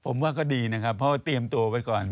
ผมว่าก็ดีนะครับเพราะว่าเตรียมตัวไว้ก่อน